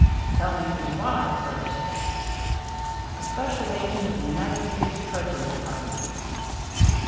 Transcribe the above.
" Tell me who you are, first." "A special agent of the United States Treasury Department."